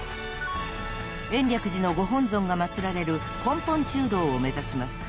［延暦寺のご本尊が祭られる根本中堂を目指します］